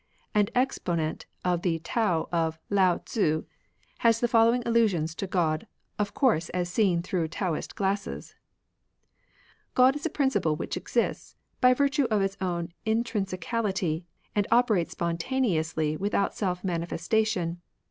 and exponent of the Tao of Lao Tzu, has the following allusions to God, of course as seen through Taoist glasses :—" God is a principle which exists by virtue of its own intrinsicaUty, and operates spontaneously without self manifestation.